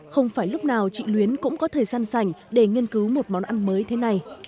không phải lúc nào chị luyến cũng có thời gian sành để nghiên cứu một món ăn mới thế này